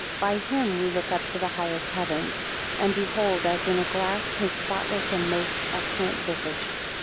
16 By him we look up to the highest heavens; and behold, as in a glass, his spotless and most excellent visage.